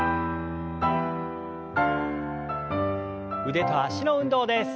腕と脚の運動です。